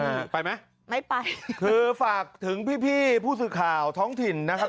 เออไปไหมไม่ไปจือฝากถึงพี่ผู้สึกข่าวท้องถิ่นนะครับ